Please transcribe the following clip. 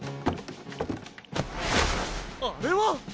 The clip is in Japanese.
あれは！